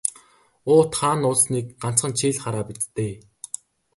Уут хаана нуусныг ганцхан чи л хараа биз дээ.